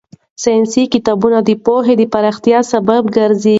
ساينسي کتابونه د پوهې د پراختیا سبب ګرځي.